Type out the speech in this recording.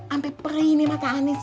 ampe perih nih mata anies